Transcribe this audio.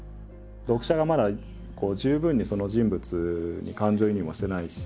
読者がまだ十分にその人物に感情移入もしてないし。